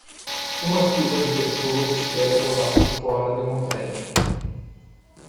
Uma fila de pessoas espera do lado de fora de um prédio.